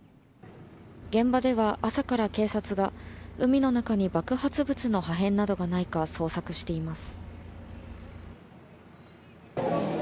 現場では朝から警察が海の中に爆発物の破片などがないか捜索しています。